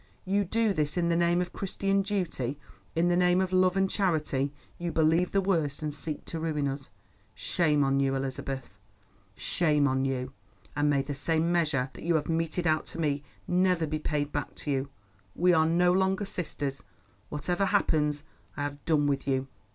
You do this in the name of Christian duty; in the name of love and charity, you believe the worst, and seek to ruin us. Shame on you, Elizabeth! shame on you! and may the same measure that you have meted out to me never be paid back to you. We are no longer sisters. Whatever happens, I have done with you.